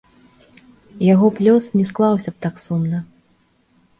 Яго б лёс не склаўся б так сумна.